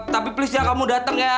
tapi please nya kamu dateng ya